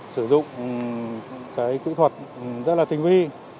sử dụng cái kỹ thuật rất là tinh vi